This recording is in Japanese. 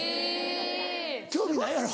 興味ないやろ？